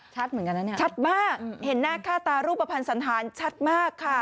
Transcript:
เหมือนกันนะเนี่ยชัดมากเห็นหน้าค่าตารูปภัณฑ์สันธารชัดมากค่ะ